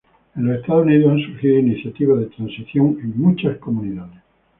En los Estados Unidos, han surgido iniciativas de transición en muchas comunidades.